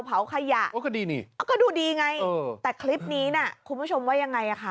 เผาขยะก็ดูดีไงแต่คลิปนี้น่ะคุณผู้ชมว่ายังไงอ่ะค่ะ